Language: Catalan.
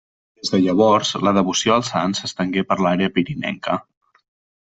Des de llavors, la devoció al sant s'estengué per l'àrea pirinenca.